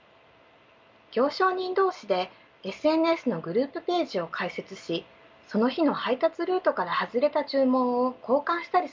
行商人同士でＳＮＳのグループページを開設しその日の配達ルートから外れた注文を交換したりすることもあります。